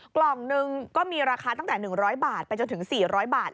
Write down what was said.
กล่องนึงก็มีราคาตั้งแต่๑๐๐บาทไปจนถึง๔๐๐บาท